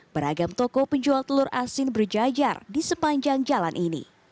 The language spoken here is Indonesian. beragam toko penjual telur asin berjajar di sepanjang jalan ini